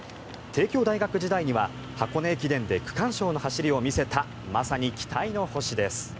帝京大学時代には箱根駅伝で区間賞の走りを見せたまさに期待の星です。